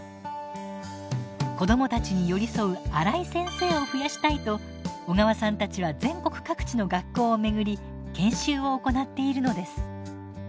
子どもたちに寄り添うアライ先生を増やしたいと小川さんたちは全国各地の学校を巡り研修を行っているのです。